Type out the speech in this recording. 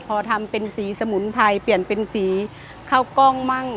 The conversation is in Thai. พอทำเป็นสีสมุนไพรเปลี่ยนเป็นสีข้าวกล้องมั่ง